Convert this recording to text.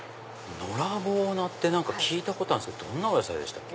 のらぼう菜って聞いたことあるどんなお野菜でしたっけ？